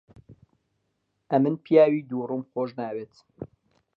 ئەمن پیاوی دووڕووم خۆش ناوێت.